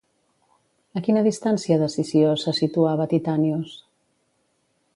A quina distància de Sició se situava Titànios?